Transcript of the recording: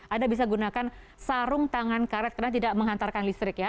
anda bisa gunakan sarung tangan karet karena tidak menghantarkan listrik ya